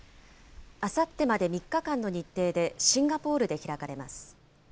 あさってまで３日間の日程で、シンガポールで開かれます。